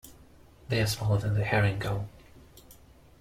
They are smaller than the herring gull.